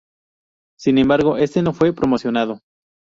Sin embargo este no fue promocionado.